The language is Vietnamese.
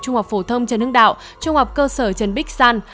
trung học phổ thông trần hưng đạo trung học cơ sở trần bích san